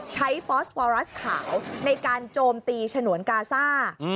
ฟอสวรัสขาวในการโจมตีฉนวนกาซ่า